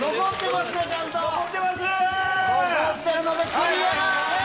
残ってるのでクリア！